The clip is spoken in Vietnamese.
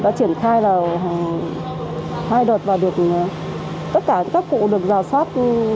đã triển khai là hai đợt và được tất cả các cụ được rào sát